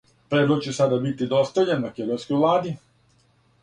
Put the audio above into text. Предлог ће сада бити достављен македонској влади.